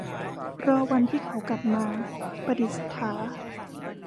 รอวันที่เขากลับ - ประดิษฐา